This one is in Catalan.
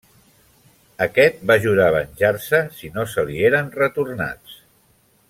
Aquest va jurar venjar-se si no se li eren retornats.